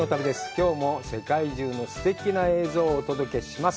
きょうも世界中のすてきな映像をお届けします。